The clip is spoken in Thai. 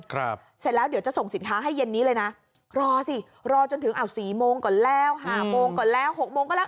เสร็จแล้วเดี๋ยวจะส่งสินค้าให้เย็นนี้เลยนะรอสิรอจนถึงเอาสี่โมงก่อนแล้วห้าโมงก่อนแล้วหกโมงก็แล้ว